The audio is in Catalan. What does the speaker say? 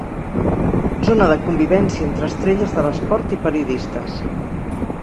Zona de convivència entre estrelles de l'esport i periodistes.